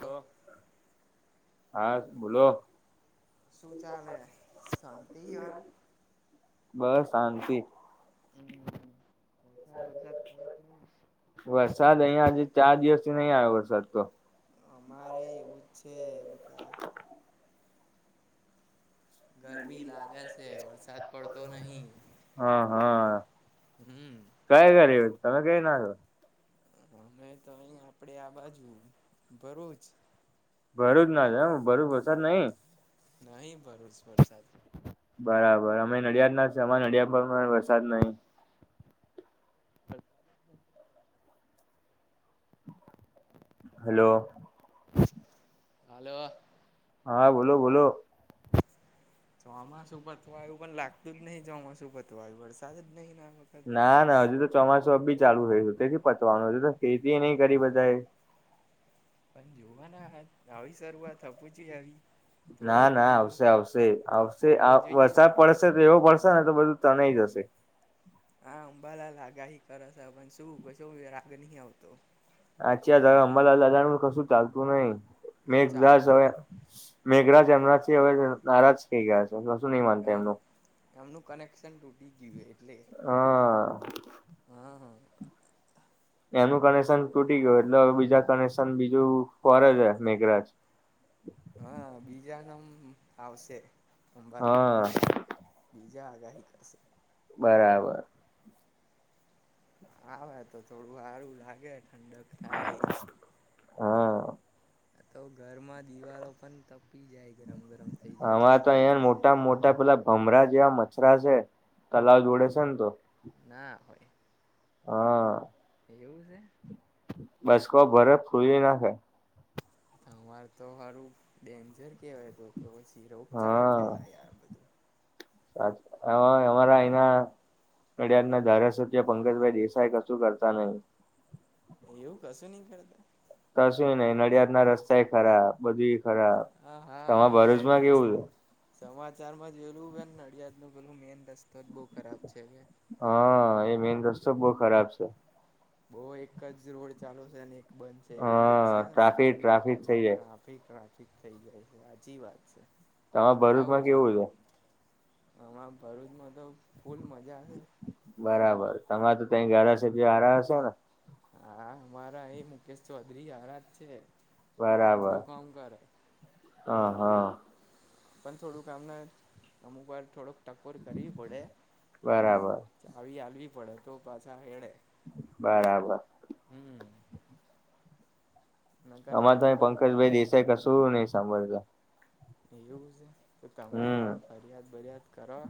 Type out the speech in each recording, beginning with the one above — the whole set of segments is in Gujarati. હ હા બોલો. શું ચાલે શાંતિ હારું. બસ શાંતિ [inaudible] વરસાદ બરસાદ પડેક નહી. વરસાદ અહિયાં આજે ચાર દિવસથી નહી આવ્યો વરસાદ તો. અમારે એવું જ છે બકા ગરમી લાગે છે વરસાદ પડતો નહી હમ્મ. ક્યાં કર તમે કઈ ના છો અમે તો અહી આપડે આ બાજુ ભરૂચ જ ભરૂચ ના છો એમ ભરૂચ વરસાદ નહી નહી ભરૂચ વરસાદ બરાબર અમે નડિયાદ ના જ છે અમારા નડિયાદ પર પણ વરસાદ નહી હલો. હલ્લો. હા બોલો બોલો ચોમાસું પતવા આવું પણ લાગતું જ નહીિ ચોમાસું પતવાય્યું વરસાદ જ નહીિ. ના ના હજુ તો ચોમાસું બી ચાલુ રહે તેથી પચવાનું હજુ તો ખેતી નહી કરી બધા. પણ જોવાના આવી શરૂઆત આપું જોઈએ આવી. થોડો ના ના ઘણો તો આવશે આવશે આવશે પડવો જોઈએ ને વરસાદ પડશે તો એવો પડશેને તો બધું તનાય જશે. હા અંબાલા લગાહી કરસ પણ શું ક શો રાગ નહી આવતો. આચ્છાલા લડાાણ કશું ચાલતું નહી બધું મેં સય. ચાલતું ને મેઘરાજ એમનાથી હવે નારાજ થઈ ગયા છે શું નહી માનતા આમ એમનું. એમનું કનેક્શન તૂટી ગયું એટલે. હા. હા હા. એનું કનેક્શન તૂટી ગયું એટલે હવે બીજા કનેક્શન બીજું ફરજ મેઘરાજ. હા બીજા ના આવશે અંબાલા. હા બીજા આગાહી કરશે. બરાબર. હ તો થોડું સારું લાગે ઠંડક થાય. હા. આ તો ઘર માં દિવાલો પણ તપી જાય ગરમ ગરમ થઇ જાય એટલી અમારે તો અહિયાં ગરમી છે. મોટા મોટા પેલા ભમરા જેવા મચ્રા છે તલાવ જોડે છે ને તો. ના હોય. હા. એવું છે. બસકો ભરે ફૂલી નાખે. તમાર તો સારું ડેન્જર કેવાય તો કે પછી રોગચાળો ફેલાય આ બધું. હ અમારા અના. નડિયાદ ના ધારાસભ્ય પંકજભાઈ દેસાઈ કશું કરતા નહીિ. એવું કશું નહી કરતા. તો શું નઈ નડિયાદ ના રસ્તાય ખરાબ બધી ખરાબ. હા હા તમારા અ મેજ. ભરૂચમાં કેવું છે સમાચાર માં જોયેલું કે નડિયાદ નું પેલું મેન રસ્તો જ બહુ ખરાબ છે કે. હા એ મેન રસ્તો બહ ખરાબ છે. બહુ એક જ રોડ ચાલુ છે અને બનશે એવું કઈક હા છે ને ટ્રાફિક ટ્રાફિક થઈ જાય ટ્રાફિક ટ્રાફિક. થ જાય છે સાચી વાત છે તમારે ઘર આવું ભરૂચમાં કેવું જોઈએ. છે હમાં ભરૂચમાં તો ફૂલ મજા હશે. બરાબર તમામે તો તં ધારાસભ્ય હાર હશેો ને. હા અમારા એ મુકેશ ચૌધરી આારજ છે. બરાબર બધું કામ કરે હ હા. પણ થોડુંક આામને અમુક વાર થોડોક ટકોર કરવી પડે. બરાબર ચાવી હલવી પડે તો પાછા હેળે. બરાબર. હમ. નકર અમા આ તો અ થોડાક પંકજ ભાઈ દેસાઈ કશું નહી સાંભળ તો. એવું છે તો તમે હમ જાાવ ફરિયાદ બરિયાદ કરવા.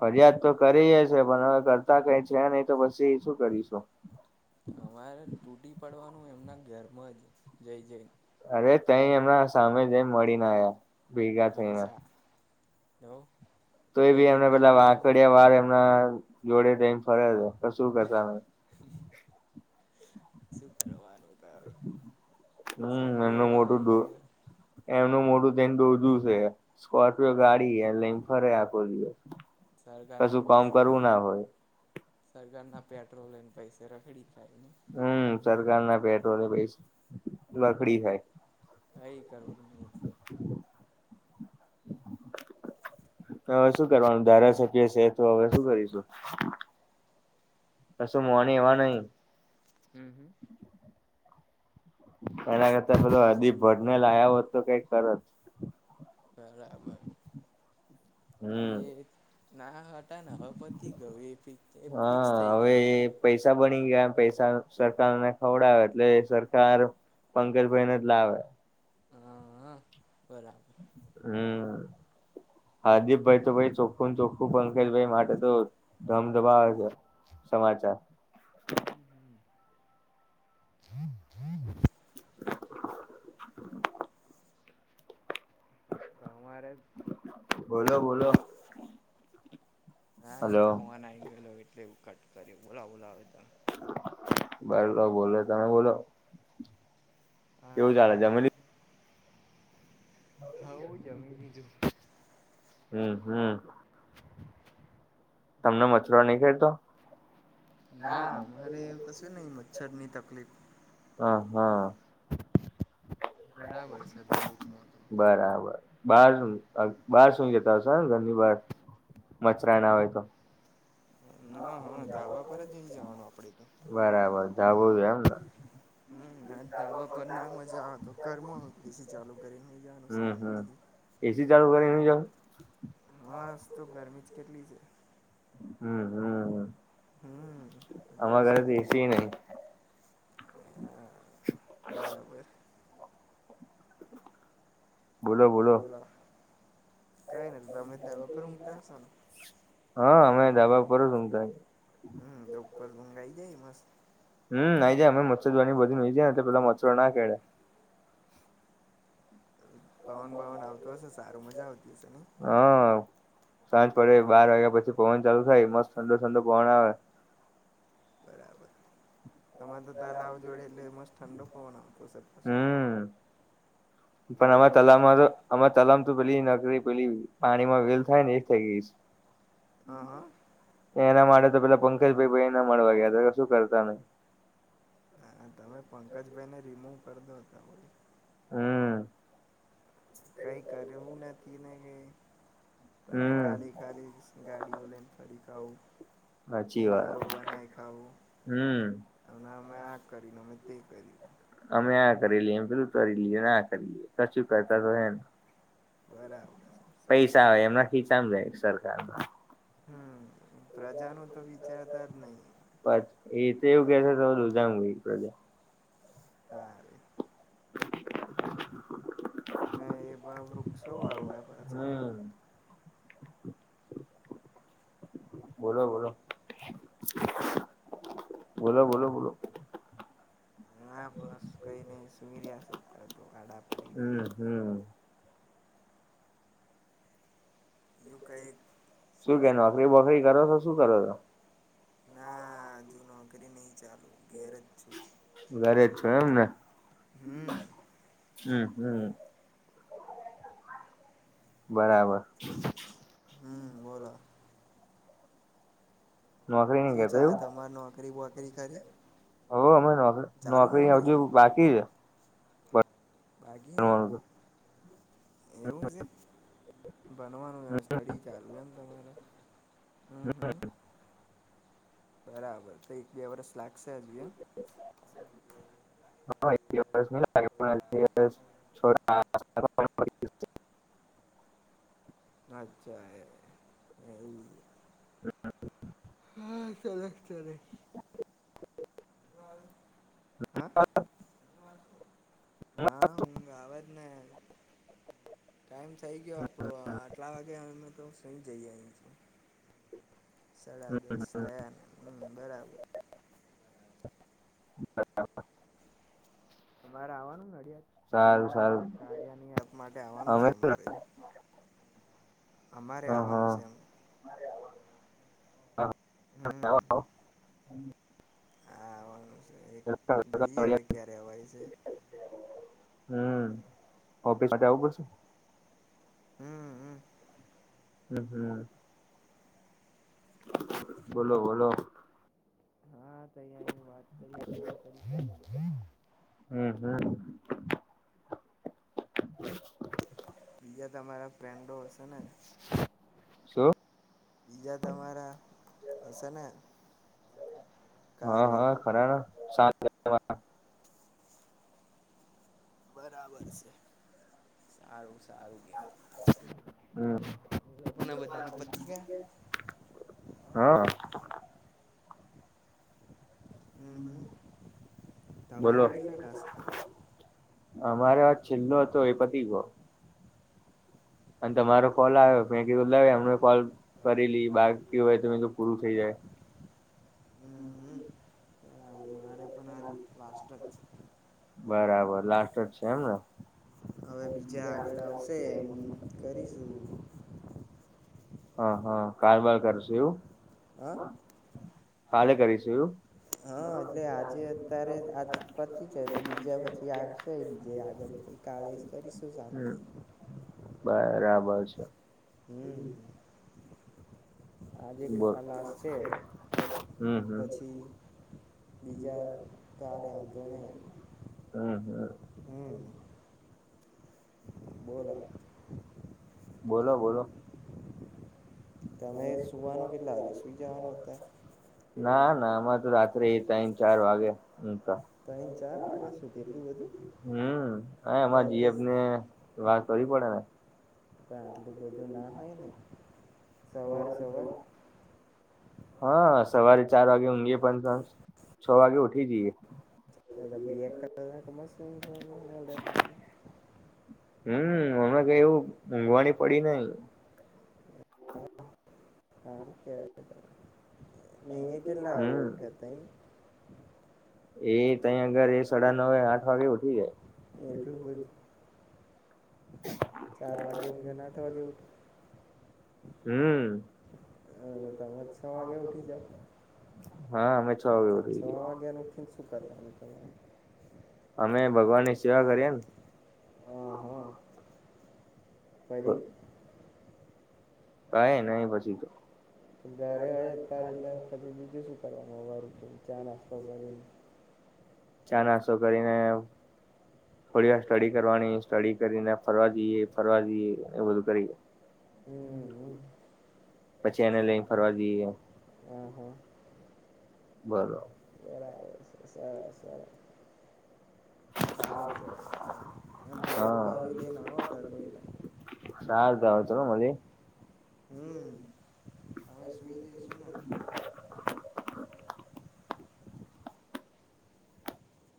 ફરિયાદ તો કરી છે પણ હવે કરતા કઈ છે નહી તો પછી એ શું કરીશું. અમારે તૂટી પડવાનું એમના ઘરમાં જ જય જયન. અરે તઈ એમના સામે જ મળીને આવ્યા. અચ્છા હલો. તો એ બી એમને પેલા વાકડિયા વાર એમના જોડે ટ એમ ફરે્યા છે શું કરતા. શું કરવાનું. હમ સીય એમનું મોટું હોઈ દો હોય. એમનું મોડુ ઓજું છે, સ્કોર્પિયો ગાડી એ. લ ફરે આપો દિવ, સરકારના કશું કામ પૈસે કરવું ના બધું હોય. સરકારના પેટ્રોલને પૈસા તો ખડી કરાયને. હમ સરકાર ના પેટ્રોલ, પ લખડી જાય. સ કરું કે નહી. હવે શું કરવાનું ધારાસભ્ય છે તો હવે શું કરીશું. કશું મોને એવા નહી. હમ હમ. એના કરતા પેલો હજી ભડને લા્યા હોત તો કંઈક કર જ. બરાબર, અને હમ એક ના હટા નગપતિ ગરીક હા ફિક્સ થઈ ગયા. હવે છે એ પૈસા બની ગયા પૈસા સરકારને ખવડાવે એટલે સરકાર પંકજ ભાઈને જ લાવ. હા હ બરાબર. હમ. હાર્દીપભાઈ તો ભાઈ ચોખ્ખું ચોખ્ખું પંકજભાઈ માટે તો ધમધમાવે છે. સમાચાર. હમ હમ. [inaudible] તો હરે બોલો બોલો. હા એક હલો ફોન આ આવી ગયે એટલે એવું કટ કર બોલા બોલાવે ત. બાઈ બોલો તમે બોલો. કેવું ચાલે હા, જમી હવ જમી તું. હમ હમ. તમને મચરો નહીં ખેડતો? ના મારે એવું તો શું નહ મચ્છર ની તકલીફ. હ હા. બરાબર છે ભરૂચમાં તો બરાબર, બારું બાર સુું જ. આવશેને ઘરની બહાર, મચરા ના હોય તો. ના હા ધાબા પર જ નઈને જવાનું આપડે તો. બરાબર જવું જો એમને. હમ ના દાબા પર ના મજાતો કરમાં પછી ચાલુ કરી મજાનું શાંતિ. એ સી ચાલુ વગરે એ ન જ. હસ તો ગરમી જ કેટલી છે. હમ હમ, હમ આમા ઘરે તો એ સી નહ. હ બરાબર. બોલો બોલો બોલા, કઈ ના દમે દવા પર ઊંઘતા હસો ને? હા અમે ધાબ પર સૂતા છે. હમ તોર મંગાઈ જાય મસ્ત. હમ નાઈ જાય અમે મચછરવાની બધ નઈ જાય ને પેલા મચ્રો ના કેળે. પવન ભવન આવતો હશે સારું મજા આવતી હશે ને? હા, સાંજ પડે બાર વાગ્યા પછી પવન ચાલુ થાય મસ્ત ઠંડો ઠંડો પવન આવે. બરાબર તમારે તો તલા આવ જોડે એટલે મસ્ત ઠંડો પવન આવતો હશે. હમ પણ આમા આજુબાજુ તલામમાં તો અ તલામ તો પેલી નકરી પેલી પાણીમાં વેલ થાય ને એ થઈ ગઈશ. હા હા એના માટે તો પેલા પંકજ ભાઈ ભાઈ એના મળવા ગયા હતા શું કરતા નહી. હા તમે પંકજભાઈ ને રીમૂવ કર દો ત ભાઈ. હમ. કઈ કર્યું નથી ને કે? તમે હમ કાલી ખાલી ગાડીઓ લઈને ફરીકું. સાચી રીલો વાત બનાય ખાવું હમ અને અમે આ કરીને અમે તે કર્યું.. અમે આ કરી લઈએ એમ પેલું કરીરી લઈએ ને આ કરી લએ કશું કરતા તો હે. બરાબર છે શું પૈસા કરશ હોય એમના ખીચામ જાય સરકાર. હમ પ્રજા ન તો વિચારતા જ નહીિ. પછ એ તો એવું કે છે તોુંધામ પ્રજા હા ના એ બ વૃક્ષો વા પાછ. હમ બોલો, બોલો, બોલો, બોલો, બોલો. હ બસ કઈ નઈ સુઈ રહ્યા છે તો ગાડા પડી રહ્યા. હમમમ. યું કઈ શું કે કરે. નોકરી બોકરી કરો છો શું કરો છો ના હજુ નોકરી નહીિ ચાલુ. ગેરેજજું ઘરે જ છો એમને હમ હમ, હમ બરાબર હમ બોલો નોકરી નઈ શું કરતા છેા એવું તમારે નોકરી બોકરી કરીરી. હ અમે નોકરી નોકરી હજુ બાકી છે. બાકીી છે એવું છે. બનવાનું સ્ટડી ચાલુ એમ તમારા હમ હમ. બરાબર તો એક બે વરસ લાગશે હજ. હ દસ માગસ છોરા. અચ્જા એવ. હા સરરા સરે. હા, હા, હ આ ટાઈમ થઈ ગયો આપણો આટલા વાગે અમે તો ફ્રે જઈ આવી છું. સાડા દસ થયા ને હમ બરાબર અમારે આવવાનુંને અડિયાદ સારું સારું હા કારિયાની આપ માટે આવવાનું છે અમે હ અમારે. અમારે આવવાનું છે એમ. હમમમ હા આવવાનું છે એક જઈએ હવે ક્યારે અવાય છે. હમ ઓફિસ માટે આવું પસું. હમમમ હમ હમ, હમ બોલો બોલો. અ વાત કરીએ ફોન કરી. હમમમ હમ બીજા તમારા ફ્રેન્ડો હશે ને શું પીજા તમારા હશેને હા, હા ખરા સા બરાબર છે. સારુ, સારુ કહેવાય હમ એ લોકોને બધાને પતી ગયા હા હમ, હમ બોલો તમારા કેટલા ટાસ્ક થયા. અમારે આ છેલ્લો હતો એ પતિ ગયો. અને તમારો કોલ આવ્યો મેં કીધું બાકી એમને કોલ કરી લઇએ બાકી હોય તો પૂરુ થઈ જાય. હમ સારુ મારે પણ આમ લાસ્ટ જ છે બરાબર લાસ્ટ જ છે એમને. હવે બીજા આગળ આવશે એમ કરીશું. હ હ કારબાર કરશુ હ કાલે કરીશુ. હા એટલે આજે અત્યારે આ પછી છે તો બીજા પછી આવશે બીજે આગળ કાલે જ કરીશુ હમ શાંતિ બરાબર છે. હમ આજે તો બોલ આ લાસ્ટ છે પછ હમ હમ પછી બીજા કાલે આધો નહી હમ હમ હમ બોલો બોલો બોલો તમે સુવાનું કેટલા વાગે સુઈ જવાનું અત્યારે કે [unintelligible] ના ના અમારે તો રા ફ્રી ટાઇમ ચાર વાગે ત્રણ ચાર [inaudible] વાગ્યા સુધી એટલું બધું [unintelligible] હમ આયા તે અમાર તો સ- જીએફને વાત કરવી પડે ને પણ આટલું બધુ ના થાયને સવારે સવાર હ સવારે ચાર વાગે ઊંઘી પણ ત છ વાગે ઉઠી જઈએ. એ બે કલાક [inaudible] હમ હમણા કઈ એવું ઊંઘવાની પડી નઈ સારુ કેવાય ને એ કેટલા વાગે હમ ઊઠો તમે એ તય અગારે એ સાડા નવ આઠ વાગે ઉઠી જાય. એટલું બધું ચાર વાગે ઊઠે ને આઠ વાગે હમ હ તમે છ વાગે ઉઠી જાઓ હા અમે છ વાગે છ ઉઠી જઈએ વાગે ઉઠીને [inaudible] અમે ભગવાન ની સેવા કરીએ ને હ હ કરીએ કાઈ નહી પછી તો ઘરે આઈ [unintelligible] બીજુ શું કરવાનું ચા નાસ્તા કરીન ચા નાસ્તો કરીને થોડી વાર સ્ટડી કરવાની સ્ટડી કરીને ફરવા જઈએ ફરવા જઈએ એ બધું કરી હમ હમ. પછી એને લઈ ફરવા જઈએ. હ હ બોલો બરાબર છે સા સા સારું કેવાય હું ભરૂચ હા બાજુ લઈને આવોતો કોઈ ચાલ ભાઈ તો મલીએ હમ હવે સુઈ જાઈશુંને